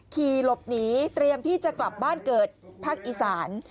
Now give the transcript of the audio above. ขี่หลบหนีเตรียมที่จะกลับบ้านเกิดภาคอีสาน